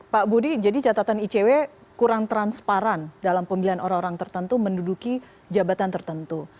pak budi jadi catatan icw kurang transparan dalam pemilihan orang orang tertentu menduduki jabatan tertentu